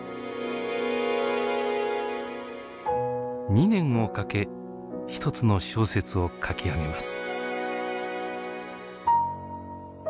２年をかけ一つの小説を書き上げます。